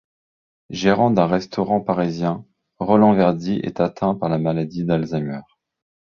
Gérant d'un restaurant parisien, Roland Verdi est atteint par la maladie d'Alzheimer.